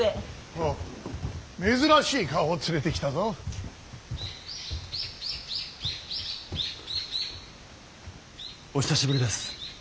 おう珍しい顔を連れてきたぞ。お久しぶりです。